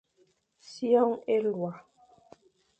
Sioñ élôa,